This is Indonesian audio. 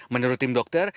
menurut tim dokter